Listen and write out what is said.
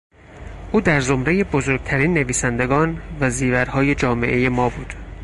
او در زمرهی بزرگترین نویسندگان و زیورهای جامعهی ما بود.